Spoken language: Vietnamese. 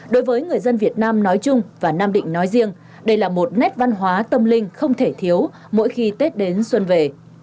đối với người dân việt nam nói chung và nam định nói riêng đây là một nét văn hóa tâm linh không thể thiếu mỗi khi tết đến xuân về